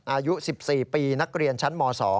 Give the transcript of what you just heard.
อายุ๑๔ปีนักเรียนชั้นม๒